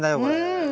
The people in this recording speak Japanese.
うん！